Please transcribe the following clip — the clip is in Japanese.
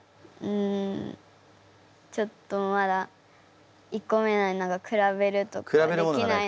うんちょっとまだ１こ目なのでくらべるとかできないので。